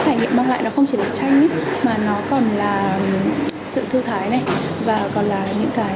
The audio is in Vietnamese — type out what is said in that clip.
trải nghiệm mang lại không chỉ là tranh mà nó còn là sự thư thái và sự tận tình của các bạn nhân viên của tipsyart